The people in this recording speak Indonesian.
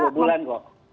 hanya dua bulan kok